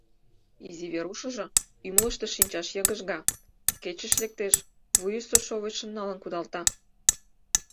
Изи Верушыжо ӱмылыштӧ шинчаш йыгыжга, кечыш лектеш, вуйысо шовычшым налын кудалта.